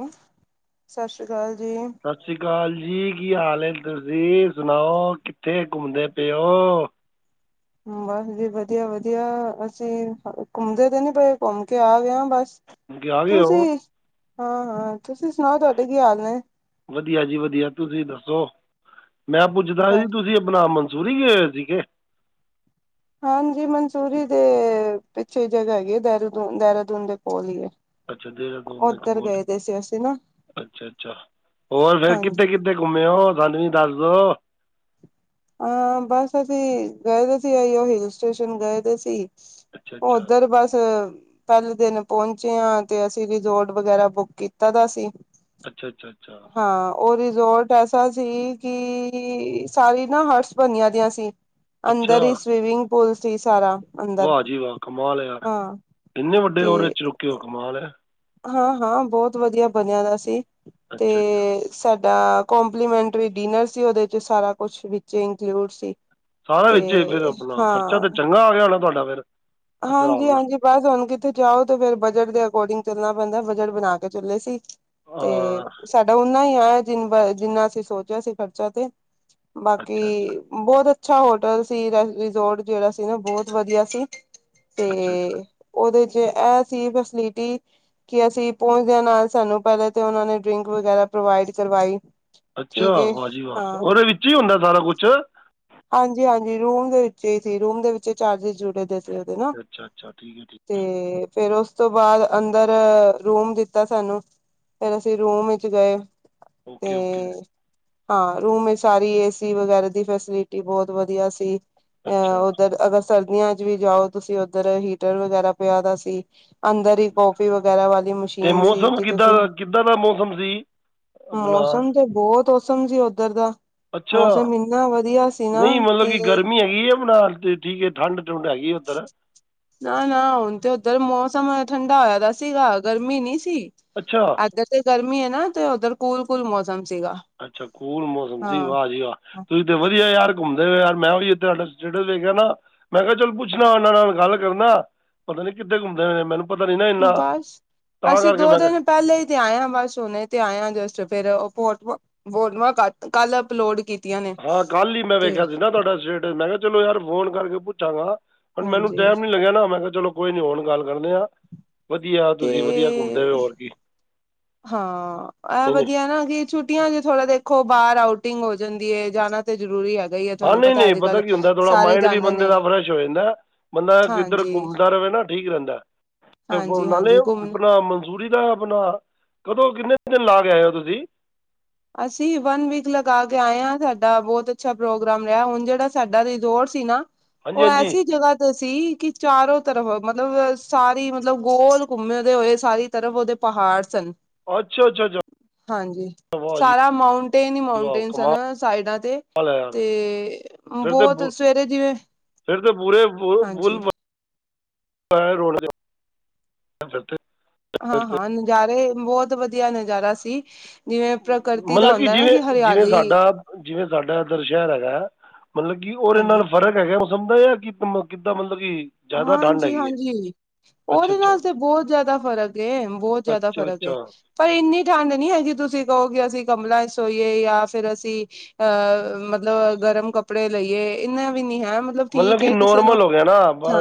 ਹਮ ਸਤਸ਼੍ਰੀਅਕਾਲ ਜੀ। ਸਤ ਸ਼੍ਰੀ ਅਕਾਲ ਜੀ ਕੀ ਹਾਲ ਨੇ ਤੁਸੀਂ ਸੁਣਾਓ ਕਿੱਥੇ ਘੁੰਮਦੇ ਪਏ ਓ। ਬਸ ਜੀ ਵਧੀਆਵਧੀਆ ਅਸੀਂ ਹ ਘੁੰਮਦੇ ਤੇ ਨੀ ਪਏ ਘੁੰਮ ਕੇ ਆ ਗਏ ਆਂ ਬਸ। ਕਿ ਆ ਗਏ ਤੁਸੀਂ ਹੋ ਹਾਂ ਹਾਂ ਤੁਸੀਂ ਸੁਣਾਓ ਤੁਹਾਡੇ ਕੀ ਹਾਲ ਨੇ। ਵਧੀਆ ਜੀ ਵਧੀਆ ਤੁਸੀਂ ਦੱਸੋ ਮੈਂ ਪੁੱਛਦਾ ਸੀ ਤੁਸੀਂ ਅਪਨਾ ਮਨਸੂਰੀ ਗਏ। ਠੀਕ ਏ। ਹਾਂਜੀ ਮਨਸੂਰੀ ਦੇ ਪਿੱਛੇ ਇ ਜਗ੍ਹਾ ਹੈਗੀ ਐ ਦੇਰਦੂਨ ਦੇਹਿਰਾਦੂਨ ਦੇ ਕੋਲ ਹੀ ਏ। ਅੱਛਾ ਦੇਹਰਾਦੂਨ ਦੇ ਕੋਲ ਅਸੀਂ ਨਾ ਅੱਛਾ ਅੱਛਾ ਹੋਰ ਫਿਰ ਕਿੱਥੇ ਹਾਂਜੀ। ਕਿੱ। ਥੇ ਘੁੰਮੇ ਓ ਸਾਨੂੰ ਵੀ ਦੱਸ ਦੋ। ਹਾਂ ਬਸ ਅਸੀਂ ਗਏ ਤੇ ਸੀ ਆਈ ਉਹ ਹਿਲ ਸਟੇਸ਼ਨ ਗਏ ਤੇ ਸੀ। ਅੱਛਾ ਅੱਛਾ ਉੱਧਰ ਬਸ। ਪਹਿਲ਼ੇ ਦਿਨ ਪਹੁੰਚੇ ਆ ਤੇ ਅਸੀਂ ਰੇਜ਼ੋਰਟ ਵਗੈਰਾ ਬੁੱਕ ਕੀਤਾ ਦਾ ਸੀ। ਅੱਛਾ ਅੱਛਾ ਅੱਛਾ। ਹਾਂ ਉਹ ਰਿਜੋਰਟ ਐਸਾ ਸੀ ਕਿ ਸਾਰੀ। ਹਰਸ ਬਣੀਆਂ ਦੀਆਂ ਸੀ ਅੰਦਰ ਹੀ ਅੱਛਾ ਸਵੀਮਿੰਗ ਪੂਲ ਸੀ ਸਾਰਾ। ਅੰਦਰ ਵਾਹ ਜੀ ਵਾਹ ਕਮਾਲ ਹੈ ਯਾਰ ਹਾਂ ਕਿੰਨੇ ਵੱਡੇ ਤੇ ਹੋਟੇਲ ਚ ਰੁਕੇ ਹੋ ਕਮਾਲ ਆ। ਹਾਂ ਹਾਂ ਬਹੁਤ ਵਧੀਆ ਬਣਿਆ ਦਾ ਸੀ ਤੇ। ਅੱਛਾ ਅੱਛਾ ਸਾਡਾ ਕਪਲੀਮੈਂਟਰੀ ਡਿਨਰ ਸੀ ਓਦੇ ਚ ਸਾਰਾ ਕੁਛ ਵਿੱਚ ਇੰਕਲੂਡ ਸੀ। ਸਾਰਾ ਤੇ ਵਿੱਚੇ ਫ ਆਪਣਾ ਖਰਚਾ ਹਾਂ ਤੇ ਚੰਗਾ ਆ ਗਿਆ ਹੋਣਾ ਤੁਹਾਡਾ ਫੇਿਰ। ਹਾਂਜੀ ਹਾਂਜੀ ਬਸ ਹੁਣ ਕਿੱਥੇ ਜਾਓ ਤੇ ਫੇਿਰ ਬਜਟ ਦੇ ਅਕੋਰਡਿੰਗ। ਚੁੱਲਣਾ ਪੈਂਦਾ ਬਜਟ ਬਣਾ ਕੇ ਚੱਲੇ ਸੀ ਤੇ ਹਾਂ ਸਾਡਾ ਓਨਾ ਹੀ ਆ। ਜਿੰਨ ਬ ਜਿੰਨਾ ਅਸੀਂ ਸੋਚਿਆ ਸੀ ਖਰਚਾ ਤੇ ਅੱਛਾ ਅੱਛਾ ਬਾਕੀ। ਬਹੁਤ ਅੱਛਾ ਹੋਟਲ ਸੀ ਰਿਜ਼ੋਰਟ ਜਿਹੜਾ ਸੀ ਨਾ ਬਹੁਤ ਵਧੀਆ ਸੀ। ਅੱਛਾ ਅੱਛਾ ਤੇ ਉਹਦੇ ਚ ਏਹ ਸੀ ਫੈਸਲਿਟੀ। ਕਿ ਅਸੀਂ ਪੁਹੰਚਦਿਆਂ ਨਾਲ ਸਾਨੂ ਪਹਲੇ ਤੇ ਉਨ੍ਹਾਂਨੇ ਡਰਿੰਕ ਵਗੈਰਾ ਪ੍ਰੋਵਾਇਡ ਕਰਵਾਈ। ਅੱਛਾ ਠੀਕ ਹੈ ਵਾਹ ਜੀ ਵਾਹ ਹਾਂ ਓਹਦੇ ਵਿੱਚ ਹੀ ਹੁੰਦਾ ਸਾਰਾ ਕੁਛ। ਹਾਂਜੀ ਹਾਂਜੀ ਰੂਮ ਦੇ ਵਿਚੇ ਹੀ ਸੀ ਰੂਮ ਦੇ ਵਿਚੇ ਚਾਰਜਿਸ ਜੁੜੇ ਦੇ ਸ। ਫੇਰ ਦੇਨਾ ਅੱਛਾ ਅੱਛਾ ਠੀਕ ਹੈ ਠੀਕ ਤੇ! ਫੇਰ ਉਸ ਤੋਂ ਬਾਅਦ ਅੰਦਰ ਰੂਮ ਦਿੱਤਾ ਸਾਨੂੰ। ਫੇਰ ਅਸੀਂ ਰੂਮ ਇਚ ਗਏ। ਤੇ ਓਕੇ ਓਕੇ ਹਾਂ ਰੂਮ ਇ ਸਾਰੀ ਏਸੀ ਵਗੈਰਾ ਦੀ ਫੇਸਿਲਿ। ਟੀ ਬੋਹਤ ਵਧੀਆ ਸੀ ਐ ਅੱਛਾ ਅਹ ਉੱਧਰ ਅਗਸ। ਸਰਦੀਆਂ ਚ ਵੀ ਜਾਓ ਤੁਸੀਂ ਉੱਧਰ ਹੀਟਰ ਵਗੈਰਾ ਪਿਆ ਦਾ ਸੀ। ਅੰਦਰ ਓਕੇ ਹੀ ਕੌਫੀ ਵਗੈਰਾ ਵਾਲੀ ਅਤੇ ਮਸ਼ੀਨ ਸੀ ਮੌਸਮ ਕਿ ਕਿੱਦਾਂ ਤੁਸੀਂ। ਦਾ ਕਿੱਦਾਂ ਦਾ ਮੌਸਮ ਸੀ ਆਪਣਾ ਮੌਸਮ ਤੇ ਬਹੁਤ ਓਸਮ ਸੀ ਉੱਧਰ ਦਾ ਅੱਛਾ ਮੌਸਮ ਇੰਨਾ ਵਧੀਆ ਸ। ਨਹੀਂ ਮਤਲਬ ਕਿ ਗਰਮੀ ਹੈਗੀ ਹੈ ਬਣਾ ਤੇ ਠੀਕ ਹੈ ਠੰਡ ਠੰਡ ਹੈਗੀ। ਹੈ ਉੱਧਰ ਨਾ ਨਾ ਹੁਣ ਤੇ ਉੱਧਰ ਮੌਸਮ ਠੰਡਾ ਹੋਇਆ ਪਯਾ ਸੀਗਾ ਗਰਮੀ ਨਈ ਸੀ। ਅੱਛਾ ਇੱਧਰ ਤੇ ਗਰਮੀ ਹੈ ਨਾ ਤੇ ਉੱਧਰ ਕੂਲ ਕੂਲ ਮੌਸਮ ਸੀਗਾ। ਅੱਛਾ ਕੂਲ ਮੌਸਮ ਸੀ ਹਾਂ। ਵਾਹ ਜੀ ਵਾਹ। ਤੁਸੀਂ ਤੇ ਵਧੀਆ ਯਾਰ ਘੁੰਮਦੇ ਹੋ ਯਾਰ ਮੈਂ ਵੀ ਇੱਥੇ ਤੂੰਹਾਡਾ ਸਟੇਟ ਵੇਖਿਆ ਨਾ। ਮੈਂ ਕਿਹਾ ਚਲ ਪੁੱਛਣਾ ਉਹਨਾਂ ਨਾਲ ਗੱਲ ਕਰਨਾ ਪਤਾ ਨਈ ਕਿੱਥੇ ਘੁੰਮਦੇ ਹੋ ਨੇ ਮੈਨੂੰ। ਪਤਾ ਨਹੀਂ ਨਾ ਇੰਨਾ ਬਸ ਤਾਂ ਅਸੀ ਕਰਕੇ ਦੋ ਮੈਂ ਕਿਹਾ ਦਿਨ ਪਹਿਲੇ ਤੇ ਆਇਆ ਬਸ ਉਹਨੇ ਤੇ ਆਇਆ ਜਸਟ ਫੇਿਰ ਉਹ ਫੋਟੋਆਂ ਬੋਲਵ ਕੱਲ ਅਪਲੋਡ ਕੀਤੀ। ਹਾਂ ਕੱਲ ਹੀ ਮੈਂ ਵੇਖਿਆ ਸੀ ਨਾ ਤੁਹਾਡਾ ਸਟੇਟਸ ਮੈਂ ਕਿਹਾ ਚਲੋ ਯਾਰ ਫੋਨ ਕਰਕੇ ਪੁੱਛਾਂਗਾ। ਹੁਣ ਮੈਨੂੰ ਹਾਂਜੀ ਟਾਈਮ ਨੀ ਲੱਗਿਆ ਨਾ ਮੈਂ ਕਿਹਾਚਲੋ ਕੋਈ ਨੀ ਹੁਣ ਗੱਲ ਕਰਦੇ ਆ। ਵਧੀਆ ਤੇ ਤੁਸੀਂ ਵਧੀਆ ਘੁੰਮਦੇ ਹੋ ਹੋਰ ਕੀ। ਹਾਂ ਇਹ ਨਹੀਂ ਨਹੀਂ ਵਧੀਆ ਨਾ ਕਿ। ਛੁਟੀਆਂ ਜੇ ਥੋੜਾ ਦੇਖੋ ਬਾਹਰ ਆਊਟਿੰਗ ਹੋ ਜਾਂਦੀ ਏ ਜਾਣਾ। ਤੇ ਜ਼ਰੂਰੀ ਹੈਗਾ ਹੀ ਹੈ ਹਾਂ ਤੁਹਾਨੂੰ ਨਹੀਂ ਨਹੀਂ ਅੱਜ ਪਤਾ ਕੱਲ ਕੀ ਹੁੰਦਾ ਥੋੜ੍ਹਾ ਸਾਰੇ ਮਾਇੰਡ ਵੀ ਜਾਂਦੇ ਬੰਦੇ ਨੇ ਦਾ ਫਰੈਸ਼ ਹੋ ਜਾਂਦਾ। ਬੰਦਾ ਕਿੱਧਰ ਹਾਂਜੀ ਘੁੰਮਦਾ ਰਵੇ ਨਾ ਠੀਕ ਰਹਿੰਦਾ ਐ ਤੇ ਹਾਂਜੀ ਨਾਲੇ ਹਾਂਜੀ ਘੁੰਮ ਆਪਣਾ ਮਨਜ਼ੂਰ ਦਾ ਅਪਨਾ ਕਦੋਂ, ਕਿੰਨੇ ਦਿਨ ਲਾ ਕੇ ਆਏ ਓ ਤੁਸੀਂ? ਅਸੀਂ ਵਨ ਵੀਕ ਲਗਾ ਕੇ ਆਏ ਆਂ, ਸਾਡਾ ਬੋਤ ਅੱਛਾ ਪ੍ਰੋਗਰਾਮ ਰਿਹਾ, ਹੁਨ ਜੇੜਾ ਸਾਡਾ ਰਿਜ਼ੋਰਟ ਸੀ ਨਾ ਹਾਂਜੀ ਓ ਹਾਂਜੀ ਐਸੀ ਜਗ੍ਹਾ ਸੀ ਕਿ ਚਾਰੋ ਤਰਫ ਮਤਲਬ ਸਾਰੀ ਮਤਲਬ ਗੋਲ ਘੁੰਮਦੇ ਹੋਏ ਸਾਰੀ ਤਰਫ ਓਦੇ ਪਹਾੜ ਸਨ। ਅੱਛਾ, ਅੱਛਾ, ਅੱਛਾ। ਹਾਂਜੀ ਵਾਹ ਜੀ ਸਾਰਾ ਮਾਊਂਟੇਨ ਈ ਵਾਹ ਮਾਊਂਟੇਨ ਸਨ ਕਮਾਲ ਸਾਈਡਾਂ ਤੇ। ਹੈ ਯਾਰ ਤੇ ਫਿਰ ਤਾਂ ਬੋਤ ਬੁ- ਸਵੇਰੇ ਜਿਵੇਂ ਫਿਰ ਪੂਰੇ [unintelligible] ਫੁੱਲ ਹਾਂਜੀ [unintelligible] [unintelligible] ਹਾਂ-ਹਾਂ ਨਜ਼ਾਰੇ, ਬੋਤ ਵਧੀਆ ਨਜ਼ਾਰਾ ਸੀ ਜਿਵੇਂ ਪ੍ਰਕ ਮਤਲਬ ਕਿ ਜਿਵੇਂ, ਜਿਵੇਂ ਸਾਡਾ, ਜਿਵੇਂ ਸਾਡਾ ਏਧਰ ਸ਼ਹਿਰ ਹੈਗਾ। ਮਤਲਬ ਕਿ ਓਦੇ ਨਾਲ ਹਾਂਜੀ ਫ਼ਰਕ ਹੈਗਾ, ਮੌਸਮ ਦਾ, ਯਾ ਕਿ ਕਿੱਦਾਂ ਮਤਲਬ ਕਿ ਜ਼ਿਆਦਾ ਠੰਡ ਹੈਗੀ ਹੈ ਹਾਂਜੀ-ਹਾਂਜੀ। ਅੱਛਾ ਓਦੇ ਅੱਛਾ ਨਾਲ ਤੇ ਬੋਤ ਜਾਦਾ ਫ਼ਰਕ ਏ, ਬੋਤ ਜਾਦਾ ਅੱਛਾ ਫ਼ਰਕ ਅੱਛਾ ਏ। ਪਰ ਇੰਨੀ ਠੰਢ ਨੀ ਹੈਗੀ, ਜੇ ਤੁਸੀਂ ਕਹੋ ਕੀ ਅਸੀਂ ਕਮਲਾਂ 'ਚ ਸੋਈਏ ਯਾ ਫਿਰ ਅਸੀਂ ਅਹ ਮਤਲਬ ਗਰਮ ਕੱਪੜੇ ਲਈਏ, ਇੰਨਾ ਵੀ ਨੀ ਹੈਮ ਮਤਲਬ ਕਿ ਨੋਰਮਲ ਹੋ ਗਿਆ ਨਾ,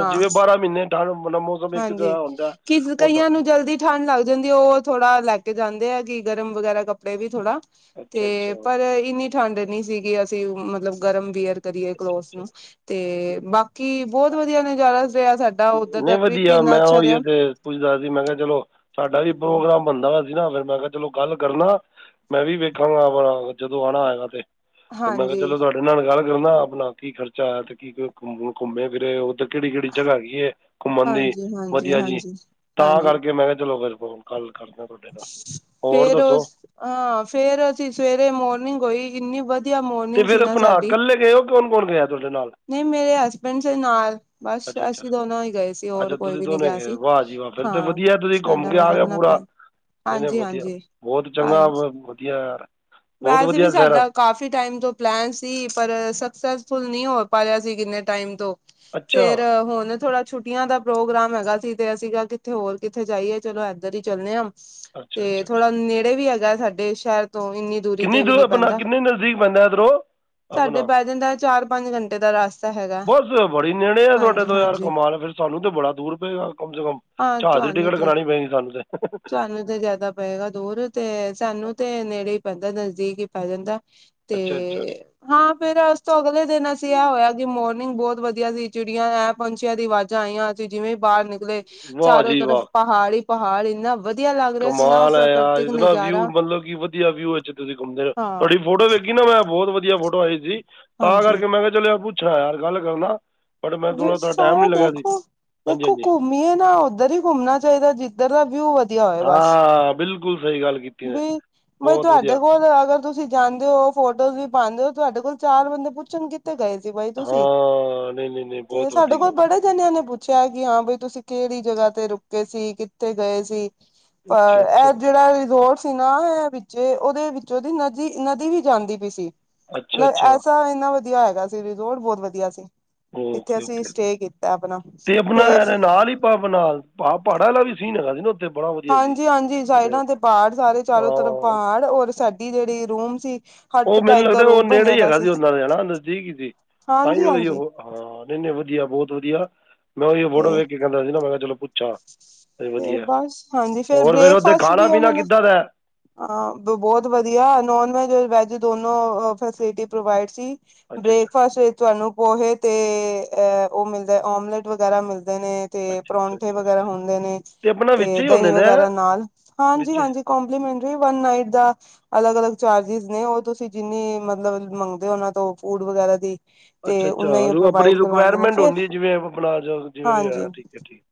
ਜਿਵੇਂ ਬਾਰਾਂ ਮਹੀਨੇ ਠੰਡ ਮਤਲਬ ਮੋ ਹਾਂਜੀ, ਕਿਸ ਕਈਆਂ ਨੂੰ ਜਲਦੀ ਠੰਢ ਲੱਗ ਜਾਂਦੀ ਓ ਥੋੜਾ ਲੈ ਕੇ ਜਾਂਦੇ ਆ ਕਿ ਗਰਮ ਵਗੈਰਾ ਕੱਪੜੇ ਵੀ ਥੋੜਾ। ਤੇ ਅੱਛਾ ਅੱਛਾ ਪਰ ਇੰਨੀ ਠੰਡ ਨੀ ਸੀਗੀ ਅਸੀਂ ਮਤ ਮਤਲਬ ਗਰਮ ਵੀਅਰ ਕਰੀਏ ਅੱਛਾ ਕਲੋਥਸ ਅੱਛਾ ਨੂੰ ਤੇ ਬਾਕੀ ਬਹੁਤ ਵਧੀਆ ਨਜ਼ਾਰਾ ਰਿਹਾ ਸਾਡੇ ਓਦਰ ਤੱਕ [unintelligible] ਮੈਂ ਓਇਓ ਤੇ ਪੁੱਛਦਾ ਸੀ, ਮੈਂ ਕਿਹਾ ਚਲੋ ਸਾਡਾ ਵੀ ਪ੍ਰੋਗਰਾਮ ਬਨਦਾ ਪਆ ਸੀ ਨਾਂ ਫਿਰ ਮੈਂ ਕਿਹਾ ਚਲੋ ਗੱਲ ਕਰਨਾ ਮੈਂ ਵੀ ਵੇਖਾਂਗਾ ਜਦੋਂ ਆਣਾ ਹੋਏਗਾ ਤੇ। ਤੇ ਮੈਂ ਕਿਹਾ ਹਾਂਜੀ ਚਲੋ ਤੁਹਾਡੇ ਨਾਲ ਗੱਲ ਕਰਨਾ, ਅਪਨਾ ਕੀ ਖਰਚਾ ਆਇਆ ਤੇ ਕੀ ਘੁੰਮੇ ਫਿਰੇ ਉਹ ਤੇ ਕਿਹੜੀ ਕਿਹੜੀ ਜਗ੍ਹਾ ਹੈਗੀ ਏ, ਘੁੰਮਣ ਦੀ, ਹਾਂਜੀ ਹਾਂਜੀ ਵਧੀਆ ਜੀ ਹਾਂਜੀ ਤਾਂ ਹਾਂਜੀ ਕਰਕੇ ਮੈਂ ਕਿਹਾ ਚਲੋ, ਫਿਰ ਫੋਨ ਕੱਲ ਕਰਦਾ। ਤੁਹਾਡੇ ਨਾਲ ਹੋਰ ਫੇਰ ਦੱਸੋ ਆਂ ਫੇਰ ਅਸੀਂ ਸਵੇਰੇ ਮੋਰਨਿੰਗ ਹੋਈ ਇੰਨੀ ਵਧੀਆ ਮੋਰਨਿੰਗ ਸੀ ਨਾ ਸਾਡੀ। ਕੌਨ-ਕੌਨ ਗਯਾ ਤੁਹਾਡੇ ਨਾਲ? ਨਈ ਮੇਰੇ ਹਸਬੈਂਡ ਸੀ ਨਾਲ ਬਸ, ਅੱਛਾ ਅੱਛਾ ਅਸੀਂ ਦੋਨੋਂ ਹੀ ਗਏ ਸੀ ਹੋਰ ਅੱਛਾ ਕੋਈ ਤੁਸੀਂ ਵੀ ਨੀ ਦੋਨੇ ਗਿਆ ਗਏ ਸੀ। ਹੋ ਵਾਹ ਜੀ ਵਾਹ, ਫਿਰ ਤੇ ਹਾਂ ਵਧੀਆ, ਤੁਸੀਂ ਘੁੰਮ ਸਾਡਾ ਕੇ ਬਸ ਆ ਗੇ ਆਪਣਾ ਪੂਰਾ। ਪਲੈਨ ਨਈ-ਨਈ ਹਾਂਜੀ ਵਧੀਆ, ਹਾਂਜੀ ਬੋਤ ਚੰਗਾ ਹਾਂਜੀ ਵਧੀਆ ਯਾਰ। ਬਹੁਤ ਵੈਸੇ ਵੀ ਵਧੀਆ ਸ਼ਹਿਰ ਆ ਸਾਡਾ ਕਾਫੀ ਟਾਈਮ ਤੋਂ ਪਲੈਨ ਸੀ ਪਰ ਸਕਸੈਸਫੁਲ ਨਹੀਂ ਹੋ ਪਾ ਰਿਹਾ ਸੀ ਕਿੰਨੇ ਟਾਈਮ ਤੋਂ। ਅੱਛਾ ਫੇਰ ਹੁਨ ਥੋੜਾ ਛੁੱਟੀਆਂ ਦਾ ਪ੍ਰੋਗਰਾਮ ਹੈਗਾ ਸੀ ਤੇ ਅਸੀਂ ਕਯਾ ਕਿੱਥੇ ਹੋਰ, ਕਿੱਥੇ ਜਾਈਏ ਚਲੋ ਏਧਰ ਹੀ ਚੱਲਨੇ ਆਂ। ਅੱਛਾ ਤੇ ਅੱਛਾ ਅੱਛਾ ਥੋੜਾ ਨੇੜੇ ਵੀ ਹੈਗਾ ਸਾਡੇ ਸ਼ਹਿਰ ਤੋਂ ਇੰਨੀ ਦੂਰੀ ਕਿੰਨੀ ਤੇ ਵੀ ਦੂਰ ਨੀ ਆਪਣਾ ਪੈਂਦਾ, ਕਿੰਨੇ ਨਜ਼ਦੀਕ ਪੈਂਦਾ ਇੱਧਰੋਂ ਸਾਡੇ ਆਪਣਾ ਪੈ ਜਾਂਦਾ ਚਾਰ-ਪੰਜ ਘੰਟੇ ਦਾ ਰਾਸਤਾ ਹੈ। ਬਸ ਬੜੀ ਨੇੜੇ ਐ ਤੁਹਾਡੇ ਤੋਂ ਯਾਰ, ਕਮਾਲ ਫਿਰ ਸਾਨੂੰ ਤੇ ਬੜਾ ਦੂਰ ਪਏਗਾ ਕਮ ਸੇ ਕਮ ਹਾਂ ਝਾਜ ਦੀ ਟਿਕਟ ਤੇ ਕਰਾਨੀ ਪੈਗੀ ਸਾਨੂੰ ਤੇ। ਤੁਹਾਨੂੰ ਤੇ ਜਾਦਾ ਪਏਗਾ ਦੂਰ ਤੇ ਸਾਨੂੰ ਤੇ ਨੇੜੇ ਹੀ ਪੈਂਦਾ, ਨਜ਼ਦੀਕ ਹੀ ਪੈ ਜਾਂਦਾ। ਅੱਛਾ ਅੱਛਾ ਤੇ ਹਾਂ ਫੇਰ ਉਸ ਤੋਂ ਅਗਲੇ ਦਿਨ ਅ ਐ ਹੋਇਆ ਕਿ ਮੋਰਨਿੰਗ ਬੋਤ ਵਧੀਆ ਸੀ, ਚਿੜੀਆਂ ਐਂ ਪੰਛੀਆਂ ਦੀ ਆਵਾਜ਼ਾਂ ਆਈਆਂ ਅਸੀ ਜਿਵੇਂ ਬਾਰ ਨਿਕਲੇ। ਵਾਹ ਚਾਰੋ ਜੀ ਤਰਫ ਵਾਹ ਪਹਾੜ ਈ ਪਹਾੜ ਇੰਨਾ ਵਧੀਆ ਲੱਗ ਰਿਹਾ ਸੀ ਨਾ ਉਹ ਕਮਾਲ ਹੈ ਯਾਰ ਪ੍ਰਾਕ੍ਰਿਤਿਕ ਇਤਨਾ ਵਿਊ ਨਜ਼ਾਰਾ ਮਤਲਬ ਕਿ ਵਧੀਆ ਵਿਊ ਵਿੱਚ ਤੁਸੀਂ ਘੁੰਮਦੇ ਹੋ ਹਾਂ ਤੁਹਾਡੀ ਫੋਟੋ ਵੇਖ ਖੀ ਨਾ ਮੈਂ, ਬੋਤ ਵਧੀਆ ਫੋਟੋ ਆਈ ਸੀ ਤਾਂ ਹਾਂਜੀ ਕਰਕੇ ਮੈਂ ਕਿਹਾ ਚੱਲ ਯਾਰ ਪੁੱਛਾ, ਯਾਰ ਗੱਲ ਕਰਨਾ। ਬਟ ਮੈਂ ਥੋੜ੍ਹਾ ਥੋੜ੍ਹਾ ਟਾਈਮ ਵਸੋ ਨਹੀਂ ਲੱਗਿਆ ਸੀ ਦੇਖੋ, ਹਾਂਜੀ ਦੇਖੋ ਹਾਂਜੀ ਕੋਈ ਨਈ ਨਾ ਉੱਧਰ ਹੀ ਘੁੰਮਣਾ ਚਾਹੀਦਾ। ਜਿੱਧਰ ਦਾ ਵਿਊ ਵਧੀਆ ਹਾਂ। ਬਿਲਕੁਲ ਸਹੀ ਗੱਲ ਕੀ ਨੀ ਤੁਹਾਡੇ ਕੋਲ ਅਗਰ ਤੁਸੀਂ ਜਾਂਦੇ ਹੋ। ਫੋਟੋਜ਼ ਵੀ ਪਾਉਂਦੇ ਹੋ। ਤੁਹਾਡੇ ਕੋਲ ਚਾਰ ਬੰਦੇ ਪੁੱਛਣਗੇ। ਕਿੱਥੇ ਗਏ ਸੀ ਬਾਈ ਤੁਸੀਂ, ਹਾਂ ਨਹੀਂ ਨਹੀਂ ਨਹੀਂ ਤੇ ਬਹੁਤ ਸਾਡੇ ਵੱਡੀ ਕੋਲ ਗੱਲ ਬੜੇ ਕਈਆ ਨੇ ਪੁੱਛਿਆ ਕਿ, ਹਾਂ ਬਈ ਤੁਸੀਂ ਕਿਹੜੀ ਜਗ੍ਹਾ ਤੇ ਰੁਕੇ ਸੀ। ਕਿੱਥੇ ਗਏ ਸੀ। ਅੱਛਾ ਪਰ, ਅੱਛਾ ਇਹ ਜਿਹੜਾ ਰੋਜੋਰਟਸ ਸੀ ਨਾ ਵਿੱਚ, ਉਹਦੇ ਵਿੱਚ ਉਹਦੀ ਨਦੀ- ਨਦੀ ਵੀ ਜਾਂਦੀ ਪਈ ਸੀ। ਅੱਛਾ ਮਤਲਬ ਅੱਛਾ ਐਸਾ ਹੈਨਾ। ਇੰਨਾ ਵਧੀਆ ਹੈਗਾ ਸੀ। ਵੀਰ ਜੀ, ਰਿਜ਼ੋਰਟ ਬਹੁਤ ਵਧੀਆ ਸੀ। ਇੱਥੇ ਓਕੇ ਅਸੀਂ ਓਕੇ ਸਟੇ ਕੀਤਾ ਆਪਣਾ। ਤੇ ਟਾਈਮ ਕਿੰਨਾ ਲਾਈ, ਨਾਲ ਪਹਾੜਾਂ ਵਾਲਾ ਵੀ ਸੀਨ ਹੈਗਾ ਸੀ ਨਾ। ਬੜਾ ਵਧੀਆ ਸੀ ਹਾਂਜੀ ਹਾਂਜੀ। ਉਹਦੇ ਸਾਈਡਾਂ ਤੇ ਪਹਾੜ, ਸਾਰੇ ਚਾਰੋ ਤਰਫ ਹਾਂ ਪਹਾੜ, ਔਰ ਸਾਡੀ ਜਿਹੜੀ ਰੂਮ ਸੀ। ਹੱਟ ਉਹ ਮੈਨੂੰ ਟਾਈਪ ਦਾ ਲੱਗਦਾ ਉਹ ਰੂਪ ਨੇੜੇ ਬਣਿਆ ਹੀ ਦਾ ਹੈਗਾ ਸੀ। ਉਹਨਾਂ ਦੇ ਨਜ਼ਦੀਕ ਹੀ ਸੀ। ਤਾਂ ਹੀ ਹਾਂਜੀ-ਹਾਂਜੀ ਉਹ ਹਾਂ। ਨਹੀਂ -ਨਹੀਂ ਵਧੀਆ ਬਹੁਤ ਵਧੀਆ, ਮੈਂ ਉਹੀ ਫੋਟੋ ਤੇ ਵੇਖ ਕੇ ਕਹਿੰਦਾ ਸੀ, ਨਾ ਮੈਂ ਕਿਹਾ ਚਲੋ ਪੁੱਛਾਂ। ਹੋਰ ਫੇਰ ਵਧੀਆ। ਬਸ ਹਾਂਜੀ ਹੋਰ ਫੇਰ ਓਦੇ ਬ੍ਰੇਕਫਾਸਟ ਖਾਣਾ ਵੀ ਪੀਣਾ ਉਹਨਾਂ ਨੇ ਕਿੱਦਾਂ ਦਾ ਐ। ਹਾਂ। ਬਹੁਤ ਵਧੀਆ, ਨੋਨ ਵੈਜ ਵੈਜ ਦੋਨੋ ਫੈਸਿਲਿਟੀ ਪ੍ਰੋਵਾਈਡ ਸੀ। ਅੱਛਾ ਅੱਛਾ ਬ੍ਰੇਕਫਾਸਟ ਵਿੱਚ ਤੁਹਾਨੂੰ ਪੋਹੇ ਤੇ, ਅ ਉਹ ਮਿਲਦਾ ਓਮਲੇਟ ਵਗੈਰਾ ਮਿਲਦੇ ਨੇ। ਤੇ ਅੱਛਾ ਅੱਛਾ ਪਰੌਂਠੇ ਅੱਛਾ ਵਗੈਰਾ ਹੁੰਦੇ ਨੇ ਆਪਣਾ ਵਿੱਚ ਤੇ ਹੀ ਹੁੰਦੇ ਦਹੀਂ ਨੇ ਵਗੈਰਾ ਨਾਲ, ਹਾਂਜੀ ਵਿੱਚ ਹਾਂਜੀ। ਕਪਲੀਮੈਂਟਰੀ ਵਨ ਨਾਈਟ ਦਾ ਅਲੱਗ -ਅਲੱਗ ਚਾਰਜਿਸ ਨੇ, ਉਹ ਤੁਸੀਂ ਜਿੰਨੀ ਮਤਲਬ ਮੰਗਦੇ ਹੋ, ਉਹਨਾਂ ਤੋਂ ਫੂਡ ਵਗੈਰਾ ਦੀ ਅੱਛਾ ਤੇ ਅੱਛਾ। ਉਹਨਾਂ ਹੀ ਉਹ ਆਪਣੀ ਪ੍ਰੋਵਾਈਡ ਕਰਵਾਉਂਦੇ ਨੇ ਰਿਕੁਆਇਰਮੈਂਟ ਫੇਰ ਹੁੰਦੀ ਜਿਵੇਂ- ਆਪਣਾ ਜਿਵੇਂ ਵੀ ਹੋਇਆ ਠੀਕ ਹੈ ਠੀਕ।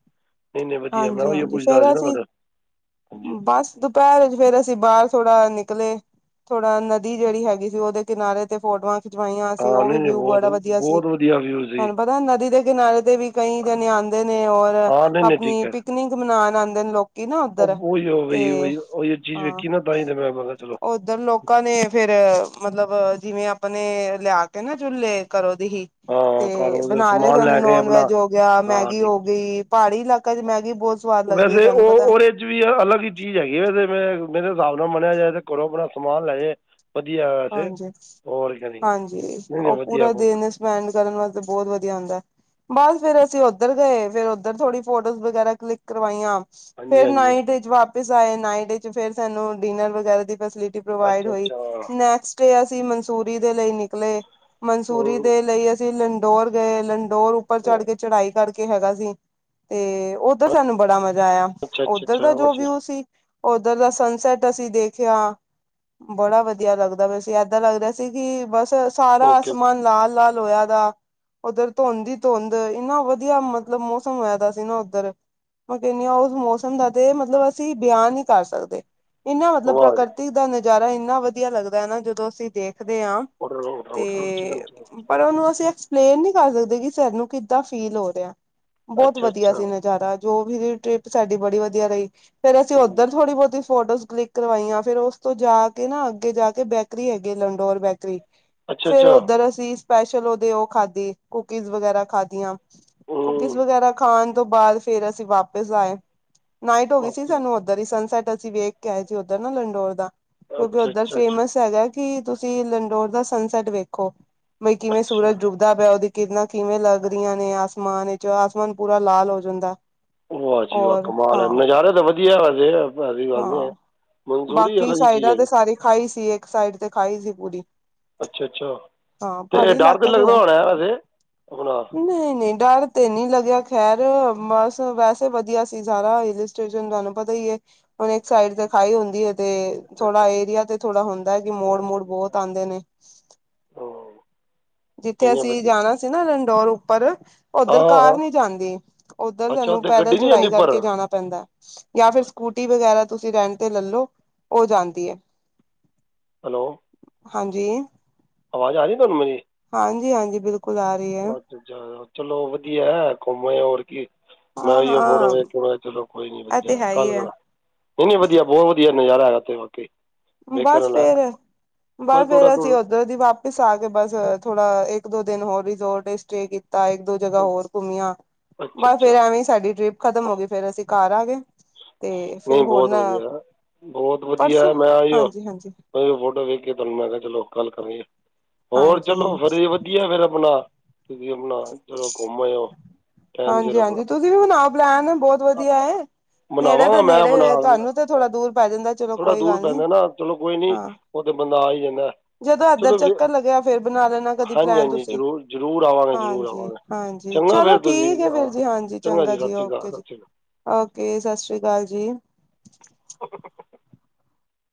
ਨਹੀਂ -ਨਹੀਂ ਵਧੀਆ। ਮੈਂ ਉਹੀ ਹਾਂਜੀ-ਹਾਂਜੀ-ਹਾਂਜੀ ਪੁੱਛਦਾ ਸੀ ਫੇਰ ਨਾ ਅਸੀਂ ਤੁਹਾਡਾ, ਹਾਂਜੀ। ਬਸ ਦੁਪਹਿਰ ਚ ਫੇਰ ਅਸੀਂ ਬਾਹਰ ਥੋੜਾ ਨਿਕਲੇ ਥੋੜਾ ਨਦੀ ਜਿਹੜੀ ਹੈਗੀ ਸੀਉਹਦੇ ਕਿਨਾਰੇ ਤੇ ਫੋਟੋਆਂ ਖਿਚਵਾਈਆਂ ਸੀ, ਹਾਂ ਉਹ ਵੀ ਨਹੀਂ ਨਹੀਂ ਵਿਊ ਬਹੁਤ ਬੜਾ ਵਧੀਆ ਸੀ। ਬਹੁਤ ਵਧੀਆ ਵਿਊ ਸੀ ਤੁਹਾਨੂੰ ਪਤਾ ਨਦੀ ਦੇ ਕਿਨਾਰੇ ਤੇ ਵੀ ਕਈ ਜਣੇ ਆਉਂਦੇ ਨੇ, ਔਰ ਹਾਂ ਨਹੀਂ ਨਹੀਂ ਆਪਣੀ ਠੀਕ ਹੈ ਪਿਕਨਿਕ ਮਨਾਉਣ ਆਉਂਦੇ ਨੇ ਲੋਕ ਕੇ ਨਾ ਉੱਧਰ, ਅਬ ਉਹੀ ਉਹੀ ਤੇ ਉਹੀ ਉਹੀ ਚੀਜ਼ ਹਾਂ। ਵੇਖੀ ਨਾ ਤਾਂ ਹੀ ਤੇ ਮੈਂ ਮੈਂ ਕਿਹਾ ਚਲੋ ਉਧਰ ਲੋਕਾਂ ਨੇ ਫੇਰ, ਮਤਲਬ ਜਿਵੇਂ ਆਪਣੇ ਲਿਆ ਕੇ ਨਾ ਚੁਲੇੇ ਘਰੋ ਦੀ ਹੀ। ਹਾਂ ਤੇ ਕਾਰੋਂ ਦੇ ਬਣਾ ਰਹੇ ਸਮਾਨ ਸਨ। ਲੈ ਕੇ ਨੋਨ ਆਪਣਾ ਵੈਜ ਹੋ ਗਿਆ, ਹਾਂ ਮੈਗੀ ਠੀਕ ਹੋ ਹੈ ਗਈ, ਪਹਾੜੀ ਕਲੀ ਮੈਗੀ ਬਹੁਤ ਸਵਾਦ ਲੱਦੀ ਹੈ, ਤੁਹਾਨੂੰ ਪਤਾ ਐ। ਕੁਝ ਵੀ ਹੈ। ਅਲੱਗ ਹੀ ਚੀਜ਼ ਹੈਗੀ, ਤੇ ਮੇਰੇ ਹਿਸਾਬ ਨਾਲ ਮੰਨਿਆ ਜਾਏ ਤੇ ਕਰੋ ਆਪਣਾ ਸਮਾਨ ਲੈ ਜਾਏ। ਵਧੀਆ। ਵੈਸੇ ਹਾਂਜੀ ਹੋਰ ਕਿਆ ਨਹੀਂ ਨਹੀਂ ਨਹੀਂ ਹਾਂਜੀਉਹ ਵਧੀਆ ਪੂਰਾ ਬਹੁਤ ਦਿਨ ਚ ਫਨ ਕਰਨ ਵਾਸਤੇ ਬਹੁਤ ਵਧੀਆ ਹੁੰਦਾ ਹੈ। ਬਸ ਫੇਰ ਅਸੀਂ ਉੱਧਰ ਗਏ, ਫੇਰ ਉੱਧਰ ਥੋੜੀ ਫੋਟੋਜ਼ ਵਗੈਰਾ ਕਲਿਕ ਕਰਵਾਈਆਂ। ਹਾਂਜੀ ਫੇਰ ਹਾਂਜੀ ਨਾਈਟ ਵਾਪ ਡਿਜ਼ਾਇਨ ਆਏ ਨਾਈਟ ਵਿਚ, ਫਿਰ ਸਾਨੂੰ ਡਿਨਰ ਵਗੈਰਾ ਦੀ ਫੈਸਿਲਿਟੀ ਪ੍ਰੋਵਾਈਡ ਅੱਛਾ ਹੋਈ। ਅੱਛਾ ਨੈਕਸਟ ਡੇ ਅਸੀਂ ਮਨਸੂਰੀ ਦੇ ਲਈ ਨਿਕਲੇ, ਮਨਸੂਰੀ ਉਹ ਦੇ ਲਈ ਅਸੀਂ ਫੇਰ ਲੰਡੋਰ ਗਏ, ਲੰਡੋਰ ਉੱਪਰ ਚੜ ਉਹ ਕੇ ਚੜ੍ਹਾਈ ਕਰਕੇ ਕੇ ਹੈਗਾ ਸੀ। ਤੇ ਉੱਧਰ ਸਾਨੂੰ ਬੜਾ ਮਜ਼ਾ ਆਇਆ। ਅੱਛਾ ਅੱਛਾ ਓਧਰ ਦਾ ਅੱਛਾ ਜੋ ਵਧੀਆ ਵਿਊ ਸੀ। ਉਧਰ ਦਾ ਸਨਸੈਟ ਅਸੀਂ ਦੇਖਿਆ। ਬੜਾ ਵਧੀਆ ਵਧੀਆ ਲੱਗਦਾ ਪਿਆ ਸੀ। ਏਦਾਂ ਲੱਗਦਾ ਪਿਆ ਸੀ। ਕਿ ਬਸ ਸਾਰਾ ਓਕੇ ਆਸਮਾਨ ਲਾਲ -ਲਾਲ ਹੋਇਆ ਵਾ। ਉੱਧਰ ਧੁੰਦ ਹੀ ਧੁੰਦ, ਇੰਨਾ ਵਧੀਆ ਮਤਲਬ ਮੌਸਮ ਹੋਇਦਾ ਸੀ ਨਾ ਉੱਧਰ। ਮੈਂ ਕਹਿੰਨੀ ਆ ਉਸ ਮੌਸਮ ਦਾ ਤੇ, ਮਤਲਬ ਅਸੀਂ ਬਿਆਨ ਨਹੀਂ ਕਰ ਸਕਦੇ। ਇਨਾ ਮਤਲ, ਬ ਵਾਹ ਜੀ। ਪ੍ਰਕਰਤੀ ਦਾ ਨਜ਼ਾਰਾ ਇੰਨਾ ਵਧੀਆ ਲੱਗਦਾ ਹੈ ਨਾ, ਜਦੋਂ ਅਸੀਂ ਦੇਖਦੇ ਹਾਂ। ਤੇ ਚੋਪ। ਪਰ ਉਹਨੂੰ ਅਸੀਂ ਐਕਸ ਪਲੇਨ ਨੀ ਕਰ ਸਕਦੇ, ਕਿ ਸਾਨੂੰ ਕਿੱਦਾਂ ਫੀਲ ਹੋ ਰਿਹਾ। ਬਹੁਤ ਅੱਛਾ ਵਧੀਆ ਅੱਛਾ ਸੀ ਨਜ਼ਾਰਾ। ਜੋ ਵੀ ਟ੍ਰਿਪ ਸਾਡੀ ਬੜੀ ਵਧੀਆ ਰਹੀ। ਫੇਰ ਅਸੀਂ ਹੂੰ। ਉੱਧਰ ਥੋੜੀ ਬਹੁਤੀ ਫੋਟੋਜ਼ ਕਲਿਕ ਕਰਵਾਈਆਂ ਫੇਰ ਉਸ ਤੋਂ ਜਾ ਕੇ ਨਾ ਅੱਗੇ ਜਾ ਕੇ ਬੇਕਰੀ ਹੈਗੀ ਲੰਡੋਰ ਬੇਕਰੀ। ਅੱਛਾ ਫੇਰ ਅੱਛਾ ਓਧਰ ਅਸੀਂ ਸਪੈਸ਼ਲ ਓਦੇ ਉਹ ਖਾਧੀ ਕੁਕੀਜ਼ ਵਗੈਰਾ ਖਾਧੀਆ। ਕੁਕੀਜ਼ ਵਗੈਰਾ ਖਾਣ ਤੋਂ ਬਾਅਦ ਫੇਰ ਅਸੀਂ ਵਾਪਿਸ ਆਏ, ਨਾਈਟ ਹੋ ਗਈ ਸੀ ਓਕੇ ਸਾਨੂੰ ਉੱਧਰ ਹੀ ਸਨਸੈਟ ਅਸੀਂ ਵੇਖ ਕੇ ਆਏ ਸੀ ਉੱਧਰ ਨਾ ਲੰਡੋਰ ਦਾ ਕਿਉਂਕਿ ਅੱਛਾ ਉੱਧਰ ਅੱਛਾ ਅੱਛਾ ਫੇਮਸ ਹੈਗਾ ਕਿ ਤੁਸੀਂ ਲੰਡੋਰ ਦਾ ਸਨਸੈਟ ਵੇਖੋ ਬਈ ਕਿਵੇਂ ਅੱਛਾ ਸੂਰਜ ਡੁੱਬਦਾ ਪਿਆ ਉਹਦੀ ਕਿਰਨਾਂ ਕਿਵੇਂ ਲੱਗਰੀਆਂ ਨੇ ਆਸਮਾਨ ਵਿੱਚ, ਆਸਮਾਨ ਪੂਰਾ ਲਾਲ ਹੋ ਜਾਂਦਾ। ਵਾਹ ਜੀ ਵਾਹ ਔਰ ਕਮਾਲ ਐ, ਹਾਂ ਨਜ਼ਾਰੇ ਤਾਂ ਵਧੀਆ ਹੈਗਾ ਜੇ। ਹਾਂ, ਬਾਕੀ ਹੀ ਚੀਜ਼ ਸਾਈਡਾਂ ਤੇ ਹੈਗੀ ਸਾਰੇ ਖਾਈ ਸੀ, ਇੱਕ ਸਾਈਡ ਤੇ ਖਾਈ ਸੀ ਪੂਰੀ। ਅੱਛਾ ਅੱਛਾ ਹਾਂ, ਅਤੇ ਪਹਾੜੀ ਡਰ ਤਾਂ ਇਲਾਕਾ ਜੋ ਲੱਗਦਾ ਹੋਇਆ, ਹੋਣਾ ਵੈਸੇ ਆਪਣਾ ਨਹੀਂ-ਨਹੀਂ। ਡਰ ਤੇ ਨੀ ਲੱਗਿਆ ਖੈਰ ਬਸ ਵੈਸੇ ਵਧੀਆ ਸੀ ਸਾਰਾ ਹਿੱਲ ਸਟੇਸ਼ਨ ਤੁਹਾਨੂੰ ਪਤਾ ਈ ਏ। ਹੁਨ ਇੱਕ ਸਾਈਡ ਤੇ ਖਾਈ ਹੁੰਦੀ ਏ। ਤੇ ਅੱਛਾ ਅੱਛਾ ਥੋੜਾ ਏਰੀਆ ਤੇ ਥੋੜਾ ਹੁੰਦਾ ਐ ਕਿ ਮੋੜ ਮੋੜ ਬਹੁਤ ਆਂਦੇ ਨੇ। ਹਾਂ। ਜਿੱਥੇ ਇੰਨੇ ਅਸੀਂ ਵਧੀਆ ਜਾਣਾ ਸੀ ਨਾ ਰੰਡੋਰ ਉੱਪਰ। ਹਾਂ ਉੱਧਰ ਹਾਂ ਹਾਂ ਕਾਰ ਨਹੀਂ ਜਾਂਦੀ, ਉੱਧਰ ਅੱਛਾ ਸਾਨੂੰ ਉੱਥੇ ਪੈਦਲ ਗੱਡੀ ਨਹੀਂ ਜਾਂਦੀ ਚੜਾਈ ਉੱਪਰ ਕਰਕੇ ਜਾਣਾ ਪੈਂਦਾ, ਜਾਂ ਫਿਰ ਸਕੂਟੀ ਵਗੈਰਾ ਤੁਸੀਂ ਰੈਂਟ ਤੇ ਲੈ ਲੋ ਉਹ ਜਾਂਦੀ ਐ। ਹੈਲੋ। ਹਾਂਜੀ। ਆਵਾਜ਼ ਆ ਰੀ ਏ ਤੁਹਾਨੂੰ ਮੇਰੀ? ਹਾਂਜੀ, ਹਾਂਜੀ, ਬਿਲਕੁਲ, ਆ ਰੀ ਏ। ਅੱਛਾ ਚਲੋ, ਵਦੀਐ ਕੂਮ ਆਏ ਓ, ਹੋਰ ਕੀ ਮੈਂ ਹਾਂ ਓਈਓ ਹਾਂ ਫੋਟੋ ਵੇਖਕੇ, ਮੈਂ ਕਾ ਚਲੋ ਕੋਈ ਨੀ ਇਹ ਤੇ ਵਦੀਆ, ਹੈ ਹੀ ਕੱਲ ਹੈ ਕਰਾ ਨਈ, ਨਈ ਵਦੀਐ, ਬੋਤ ਵਦੀਐ ਨਜ਼ਾਰਾ ਹੈਗੈ ਓਥੇ। ਬਸ ਫੇਰ, ਪਰ ਬਸ ਥੋੜ੍ਹਾ ਫੇਰ ਅਸੀਂ ਥੋੜ੍ਹਾ ਓਧਰ ਦੀ ਵਾਪ ਇਸ ਆ ਕੇ, ਬਸ ਥੋੜਾ ਇੱਕ ਦੋ ਦਿਨ ਹੋਰ ਰਿਜੋਰਟ ਚ ਸਟੇ ਕੀਤ ਤਾਂ ਇੱਕ ਦੋ ਜਗ੍ਹਾ ਹੋਰ ਕੁੰਮਿਆ ਅੱਛਾ ਬਸ ਫੇਰ ਅੱਛਾ ਐਵੇਂ ਹੀ ਸਾਡੀ ਟ੍ਰਿਪ ਖ਼ਤਮ ਹੋ ਗਈ, ਫੇਰ ਅਸੀਂ ਕਾਰ ਆ ਗਏ। ਤੇ ਫੇਰ ਨਹੀਂ ਹੋਣ, ਬਹੁਤ ਵਧੀਆ ਬਹੁਤ ਪਰਸੌ, ਵਧੀਆ ਮੈਂ ਆਇਓ ਹਾਂਜੀ-ਹਾਂਜੀ। ਫੋਟੋ ਵੇਖ ਕੇ ਤੁਹਾਨੂੰ ਮੈਂ ਕਿਹਾ ਚਲੋ ਗੱਲ ਕਰੀਏ ਹੋਰ ਹਾਂਜੀ ਚਲੋ ਫੇਰ ਵਧੀਆ ਫੇਰ ਆਪਣਾ। ਤੁਸੀਂ ਆਪਣਾ ਚਲੋ ਕੁੰਮ ਆਏ ਹੋ। ਹਾਂਜੀ-ਹਾਂਜੀ, ਤੁਸੀਂ ਵੀ ਬਣਾਓ ਪਲੈਨ ਬਹੁਤ ਵਧੀਆ ਐ। ਨੇੜੇ ਦਾ ਬਣਾਵਾਂਗਾ ਮੈਂ ਨੇੜੇ ਬਣਾ ਵੇ ਤੁਹਾਨੂੰ ਤਾਂ ਥੋੜਾ ਦੂਰ ਪੈ ਜਾਂਦਾ ਚਲੋ ਥੋੜ੍ਹਾ ਕੋਈ ਦੂਰ ਗੱਲ ਨੀ, ਪੈਂਦਾ ਨਾ ਚਲੋ ਕੋਈ ਨਹੀਂ ਹਾਂ। ਉਹ ਤੇ ਬੰਦਾ ਆ ਈ ਜਾਂਦਾ। ਜਦੋਂ ਏਧਰ ਚਲੋ ਫਿਰ ਚੱਕਰ ਲੱਗਿਆ ਫੇਰ ਬਣਾ ਲੈਣਾ ਕਦੀ ਹਾਂਜੀ ਪਲੈਨ ਹਾਂਜੀ ਤੁਸੀਂ, ਜ਼ਰੂਰ ਜ਼ਰੂਰ ਆਵਾਂਗੇ ਜ਼ਰੂਰ ਹਾਂਜੀ। ਆਵਾਂਗੇ ਹਾਂਜੀ, ਚੰਗਾ ਚਲੋ ਫਿਰ ਤੁਸੀਂ ਠੀਕ ਐ ਫੇਰ ਹਾਂ ਜੀ, ਹਾਂਜੀ, ਚੰਗਾ ਸਤਿ ਜੀ, ਸ਼੍ਰੀ ਅਕਾਲ ਸਤਿ ਓਕੇ ਜੀ। ਸ਼੍ਰੀ ਅਕਾਲ ਓਕੇ, ਸਤਿ ਸ਼੍ਰੀ ਅਕਾਲ ਜੀ। [inaudible]